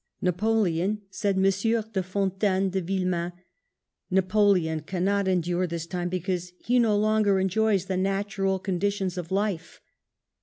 Na poleon, said M. de Fontanes to Villemain, "Napoleon cannot endure this time, because he no longer enjoys the natural conditions of life."